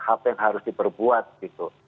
apa yang harus diperbuat gitu